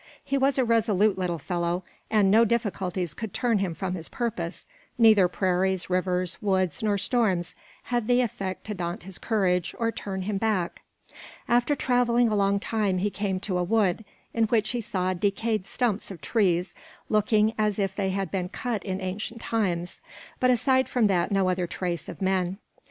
He was a resolute little fellow, and no difficulties could turn him from his purpose; neither prairies, rivers, woods nor storms had the effect to daunt his courage or turn him back. After traveling a long time he came to a wood, in which he saw decayed stumps of trees looking as if they had been cut in ancient times, but aside from that no other trace of men.